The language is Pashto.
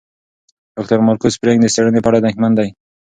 ډاکټر مارکو سپرینګ د څېړنې په اړه اندېښمن دی.